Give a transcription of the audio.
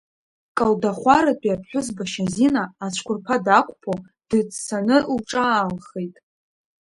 Калдахәаратәи аԥҳәызба Шьазина ацәқәырԥа дақәԥо, дыӡсаны лҿаалхеит.